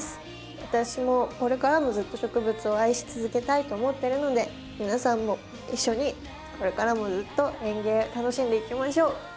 私もこれからもずっと植物を愛し続けたいと思ってるので皆さんも一緒にこれからもずっと園芸楽しんでいきましょう。